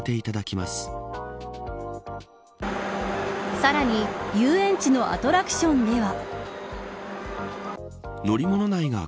さらに遊園地のアトラクションでは。